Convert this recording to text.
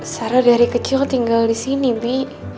sarah dari kecil tinggal disini bi